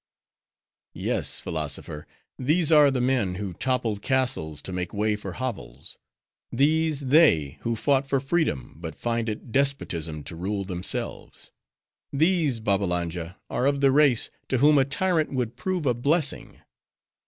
Yes, philosopher, these are the men, who toppled castles to make way for hovels; these, they who fought for freedom, but find it despotism to rule themselves. These, Babbalanja, are of the race, to whom a tyrant would prove a blessing."